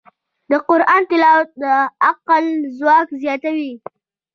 د قرآن تلاوت د عقل ځواک زیاتوي.